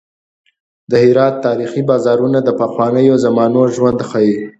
د هرات تاریخي بازارونه د پخوانیو زمانو ژوند ښيي.